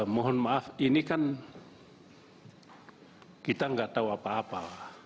mohon maaf ini kan kita nggak tahu apa apa